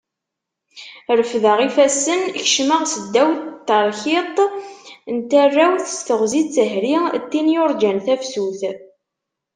Refdeɣ ifassen kecmeɣ seddaw n tarkiḍṭ n tarawt s teɣzi d tehri n tin yurjan tafsut.